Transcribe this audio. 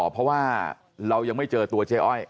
เพราะว่าเรายังไม่เจอตัวเจ๊อ้อย